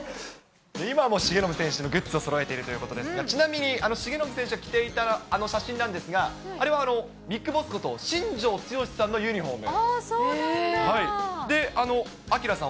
今も重信選手のグッズをそろえてるということですが、ちなみに重信選手が着ていたあの写真なんですが、あれはＢＩＧＢＯＳＳこと、新庄剛志さんのユニホーム。